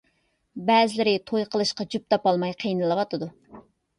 بەزىلىرى توي قىلىشقا جۈپ تاپالماي قىينىلىۋاتىدۇ.